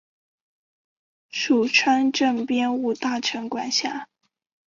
属川滇边务大臣管辖。